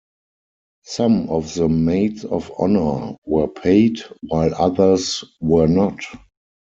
Some of the maids of honour were paid, while others were not.